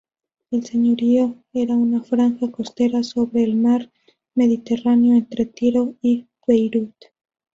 El señorío era una franja costera sobre el Mar Mediterráneo entre Tiro y Beirut.